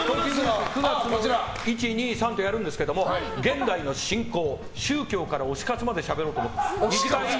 １、２、３とやるんですけど現代の信仰、推し活までしゃべろうと思ってます。